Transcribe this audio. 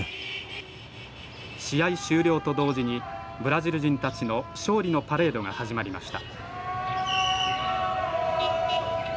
試合終了と同時にブラジル人たちの勝利のパレードが始まりました